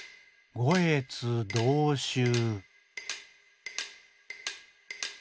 「ごえつどうしゅう」。